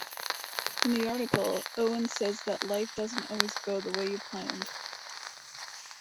In the article, Owen says that life doesn't always go the way you planned.